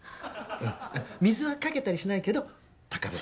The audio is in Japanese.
うん水はかけたりしないけど高ぶる。